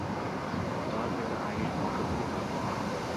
তার পিতা আইরিশ বংশোদ্ভূত।